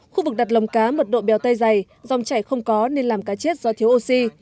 khu vực đặt lồng cá mật độ bèo tây dày dòng chảy không có nên làm cá chết do thiếu oxy